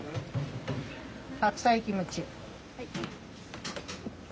白菜キムチ。